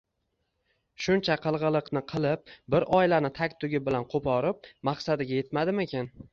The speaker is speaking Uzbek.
Shuncha qilg`iliqni qilib, bir oilani tag-tugi bilan qo`porib, maqsadiga etmadimikin